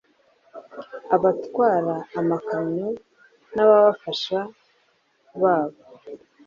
Abatwara amakamyo n’ababafasha babo